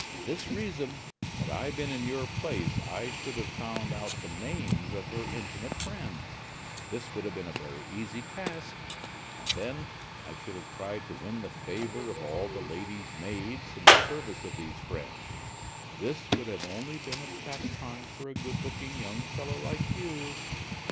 For this reason, had I been in your place, I should have found out the names of her intimate friends; this would have been a very easy task; and then, I should have tried to win the favor of all the lady's maids in the service of these friends. This would have only been a pastime for a good looking young fellow like you.